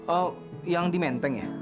oh yang di menteng ya